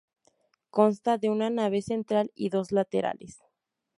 Consta de una nave central y dos laterales.